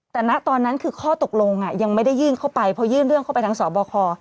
แต่ณตอนนั้นคือข้อตกลงยังไม่ได้ยื่นเข้าไปเพราะยื่นเรื่องเข้าไปทางสบค